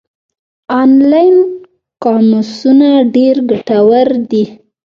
آنلاین قاموسونه ډېر ګټور دي.